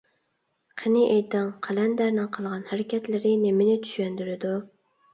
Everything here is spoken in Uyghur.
قېنى ئېيتىڭ، قەلەندەرنىڭ قىلغان ھەرىكەتلىرى نېمىنى چۈشەندۈرىدۇ؟